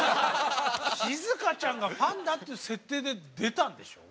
しずかちゃんがファンだっていう設定で出たんでしょ？